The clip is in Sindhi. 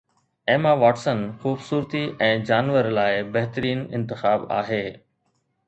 ايما واٽسسن خوبصورتي ۽ جانور لاءِ بهترين انتخاب آهي